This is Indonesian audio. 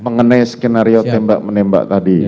mengenai skenario tembak menembak tadi